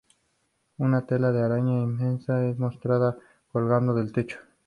Una tela de araña inmensa es mostrada colgando del techo.